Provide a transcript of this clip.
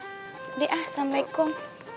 udah deh ah assalamualaikum